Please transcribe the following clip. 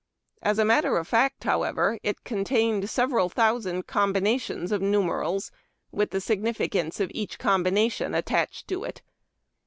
As a matter of fact, how ever, it contained several thousand combinations of numerals with the significance of each combination attached to it.